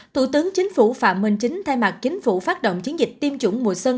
thủ tướng chính phủ phạm minh chính thay mặt chính phủ phát động chiến dịch tiêm chủng mùa xuân